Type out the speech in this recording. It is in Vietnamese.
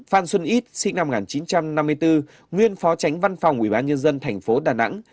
phan xuân ít sinh năm một nghìn chín trăm năm mươi bốn nguyên phó tránh văn phòng ủy ban nhân dân tp đà nẵng